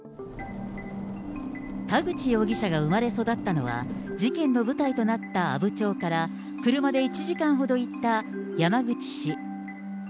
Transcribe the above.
田口容疑者が生まれ育ったのは、事件の舞台となった阿武町から車で１時間ほど行った山口市。